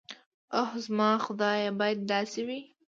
اوح زما خدايه بايد داسې وي.